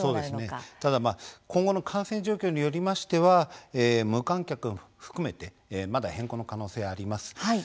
ただ今後の感染状況によりましては無観客も含めてまだ変更の可能性があります。